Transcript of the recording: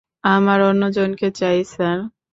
আমার অন্যজনকে চাই, স্যার।